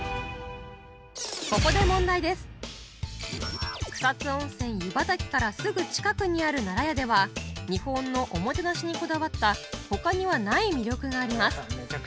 ここで草津温泉湯畑からすぐ近くにある奈良屋では日本のおもてなしにこだわった他にはない魅力があります